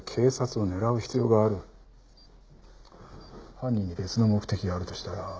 犯人に別の目的があるとしたら。